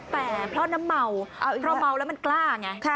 แต่เพราะน้ำเมาเพราะเมาแล้วมันกล้าไง